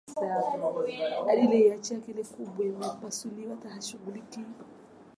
Zanzibar ina bunge lake linaloitwa Baraza la Wawakilishi la Zanzibar